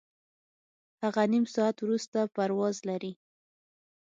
هغه نیم ساعت وروسته پرواز لري.